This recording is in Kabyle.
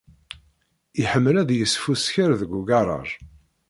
Iḥemmel ad yesfusker deg ugaṛaj.